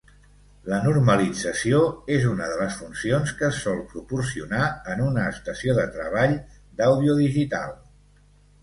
La normalització és una de les funcions que es sol proporcionar en una estació de treball d'àudio digital.